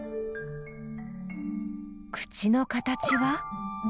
口の形は？